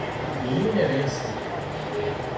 ملينَ ري سي